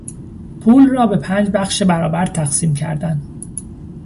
پول را به پنج بخش برابر تقسیم کردن